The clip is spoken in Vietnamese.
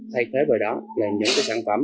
thay thế bởi đó là những cái sản phẩm